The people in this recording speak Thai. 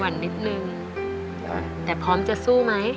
วันนิดนึงแต่พร้อมจะสู้ไหม